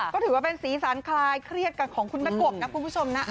ก็ถือว่าเป็นสีสันคลายเครียดกันของคุณแม่กบนะคุณผู้ชมนะ